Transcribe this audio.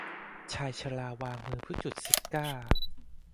ชายชราวางมือเพื่อจุดซิการ์